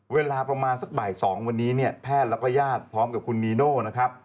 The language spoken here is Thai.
เวลาประมาณสักบ่าย๒วันนี้เนี่ยแพทย์แล้วก็ญาติพร้อมกับคุณนีโน่นะครับ